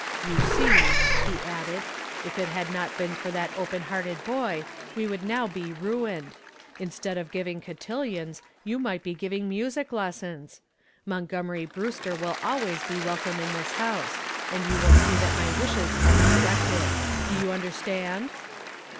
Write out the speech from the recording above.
"You see," he added, "if it had not been for that open hearted boy we would now be ruined. Instead of giving cotillons, you might be giving music lessons. Montgomery Brewster will always be welcome in this house and you will see that my wishes are respected. Do you understand?"